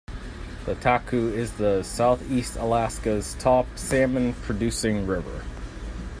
The Taku is the Southeast Alaska's top salmon-producing river.